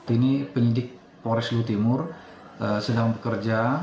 ini penyidik polres luhut timur sedang bekerja